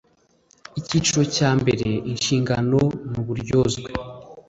Icyiciro cya mbere Inshingano n uburyozwe